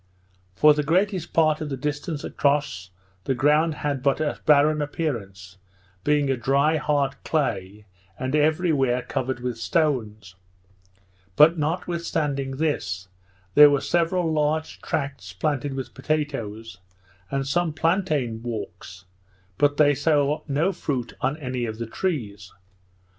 For the greatest part of the distance across, the ground had but a barren appearance, being a dry hard clay, and every where covered with stones; but notwithstanding this, there were several large tracts planted with potatoes; and some plantain walks, but they saw no fruit on any of the trees.